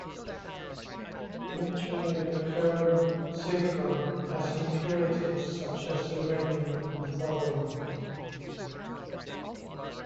Naturally occurring zircon has impurities such as uranium and thorium.